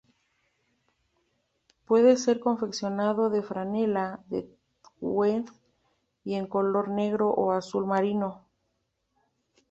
Puede ser confeccionado de franela, de tweed, y en colores negro, o azul marino.